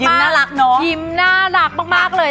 น่ารักเนอะยิ้มน่ารักมากเลย